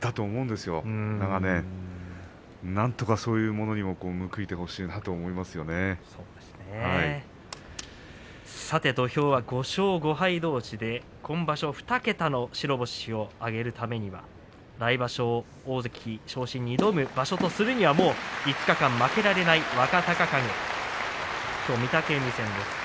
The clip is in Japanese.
だからね、なんとかそういうものにも土俵は５勝５敗どうしで今場所２桁の白星を挙げるためには来場所大関昇進に挑む場所とするには、もう５日間負けられない若隆景と御嶽海戦です。